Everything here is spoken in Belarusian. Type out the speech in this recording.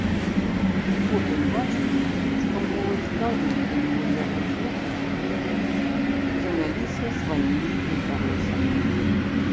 Потым бачыць, што моладзь даўно кінула яго слухаць, заняліся сваімі інтарэсамі.